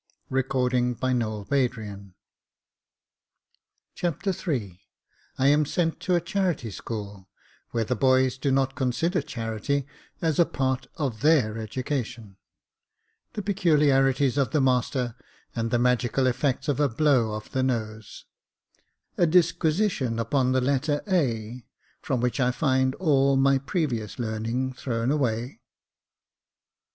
Jacob Faithful 21 Chapter III I am sent to a Charity School, where the boys do not consider charity as a part of their education — The Peculiarities of the Master, and the magical effects of a blow of the nose — A Disquisition upon the Letter A, from which I find all my prerious learning thrown away.